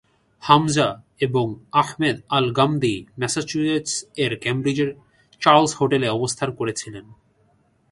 হামজা এবং Ahmed Al-Ghamdi Massachusetts এর কেমব্রিজের চার্লস হোটেলে অবস্থান করেছিলেন।